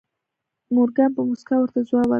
مورګان په موسکا ورته ځواب ورکړ